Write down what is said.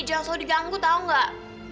jangan selalu diganggu tau gak